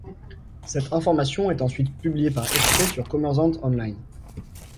Cette information est ensuite publiée par extraits sur Kommersant-online.